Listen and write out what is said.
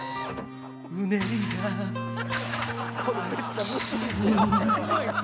これめっちゃムズいで。